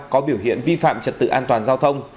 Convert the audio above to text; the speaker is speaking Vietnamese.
có biểu hiện vi phạm trật tự an toàn giao thông